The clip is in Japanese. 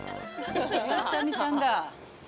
ゆうちゃみちゃんだ。